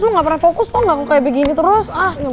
kalau kau tahu sih gue emang gak bisa fokus